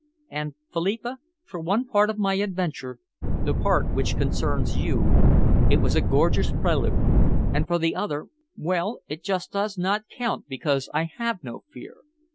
And, Philippa, for one part of my adventure, the part which concerns you, it was a gorgeous prelude, and for the other well, it just does not count because I have no fear.